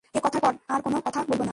এ কথার পর আর কোন কথা বলব না।